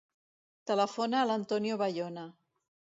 Telefona a l'Antonio Bayona.